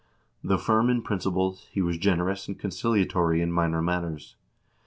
Though firm in principles, he was generous and conciliatory in minor matters.